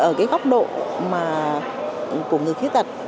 ở cái góc độ của người thiết đặt